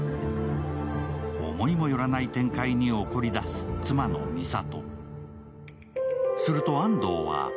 思いも寄らない展開に怒り出す妻の美里。